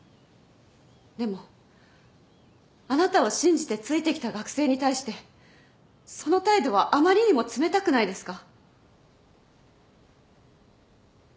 でもあなたを信じて付いてきた学生に対してその態度はあまりにも冷たくないですか？